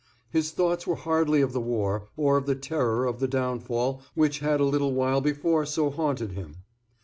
His thoughts were hardly of the war, or of the terror of the downfall which had a little while before so haunted him.